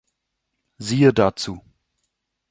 Siehe dazu